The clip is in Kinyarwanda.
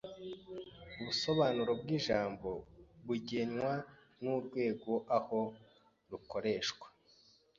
Ubusobanuro bwijambo bugenwa nurwego aho rukoreshwa.